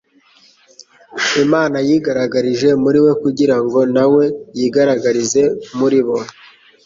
Imana yigaragarije muri we kugira ngo na we yigaragarize muri bo.